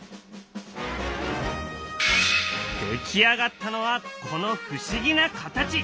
出来上がったのはこの不思議な形。